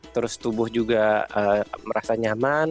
terus tubuh juga merasa nyaman